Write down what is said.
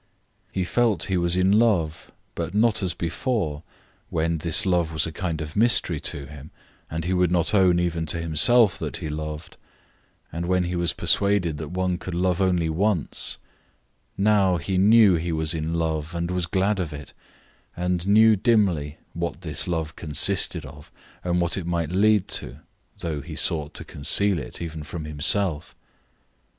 He felt he was in love, but not as before, when this love was a kind of mystery to him and he would not own, even to himself, that he loved, and when he was persuaded that one could love only once; now he knew he was in love and was glad of it, and knew dimly what this love consisted of and what it might lead to, though he sought to conceal it even from himself.